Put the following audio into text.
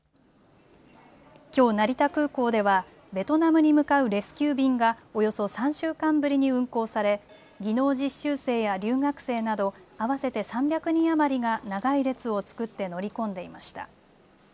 きょう成田空港ではベトナムに向かうレスキュー便がおよそ３週間ぶりに運航され技能実習生や留学生など合わせて３００人余りが長い列を作って乗り込んでいました。